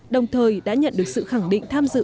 đồng thời đã nhận được sự khẳng định tham dự